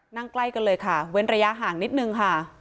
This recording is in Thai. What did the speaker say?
นั่งใกล้กันเลยค่ะเว้นระยะห่างนิดนึงค่ะ